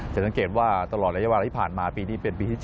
สังเกตว่าตลอดระยะเวลาที่ผ่านมาปีนี้เป็นปีที่๓